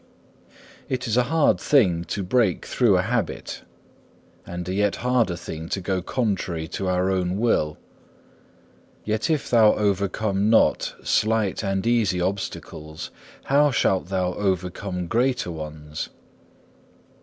6. It is a hard thing to break through a habit, and a yet harder thing to go contrary to our own will. Yet if thou overcome not slight and easy obstacles, how shalt thou overcome greater ones?